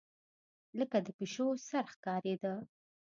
لکه د پيشو سر ښکارېدۀ